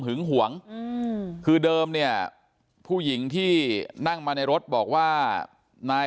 หวงคือเดิมเนี่ยผู้หญิงที่นั่งมาในรถบอกว่านาย